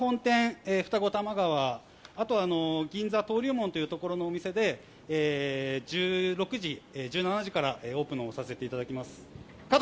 そのまま銀座本店、二子玉川、あと銀座登竜門というところのお店で１６時、１７時からオープンさせていただきます。